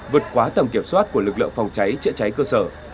vượt quá tầm kiểm soát của lực lượng phòng cháy chữa cháy cơ sở